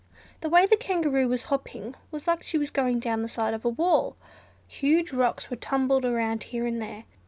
The way the Kangaroo was hopping was like going down the side of a wall. Huge rocks were tumbled about here and there.